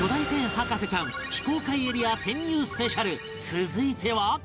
続いては